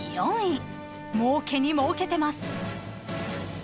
［もうけにもうけてます］